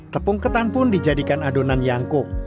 tepung ketan pun dijadikan adonan yangko